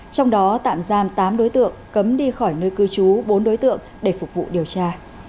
trong đó tạm giam tám đối tượng cấm đi khỏi nơi cư trú bốn đối tượng để phục vụ điều tra